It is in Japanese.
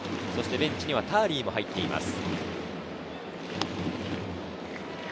ベンチにはターリーも入っています。